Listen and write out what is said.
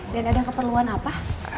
dan ada keperluan apa